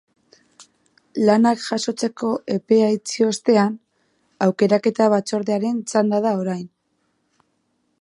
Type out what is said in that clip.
Lanak jasotzeko epea itxi ostean, aukeraketa batzordearen txanda da orain.